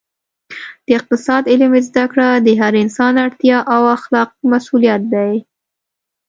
د اقتصاد علم زده کړه د هر انسان اړتیا او اخلاقي مسوولیت دی